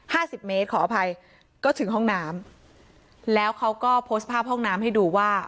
สิบเมตรขออภัยก็ถึงห้องน้ำแล้วเขาก็โพสต์ภาพห้องน้ำให้ดูว่า